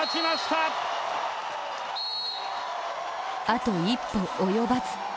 あと一歩及ばず。